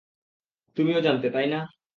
তুমিও জানতে, তাই না?